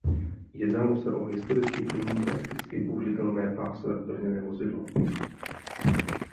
Jednalo se o historicky první prakticky použitelné pásové obrněné vozidlo.